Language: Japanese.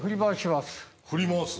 振り回す？